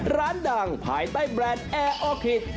ร้านดังภายใต้แบรนด์แอร์โอเค